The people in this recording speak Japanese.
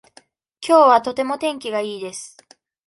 きょうはとても天気がいいです。